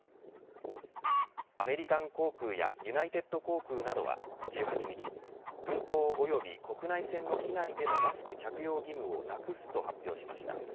アメリカン航空やユナイテッド航空などは１８日、空港及び国内線の機内でのマスク着用義務をなくすと発表しました。